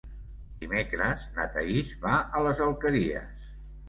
Dimecres na Thaís va a les Alqueries.